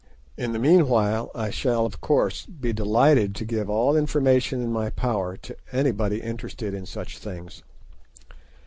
In the meanwhile I shall, of course, be delighted to give all information in my power to anybody interested in such things.